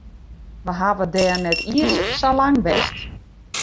We hawwe dêr net iens sa lang west.